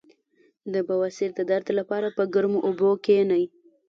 د بواسیر د درد لپاره په ګرمو اوبو کینئ